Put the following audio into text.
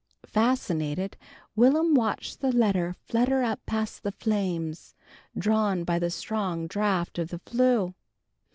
Fascinated, Will'm watched the letter flutter up past the flames, drawn by the strong draught of the flue.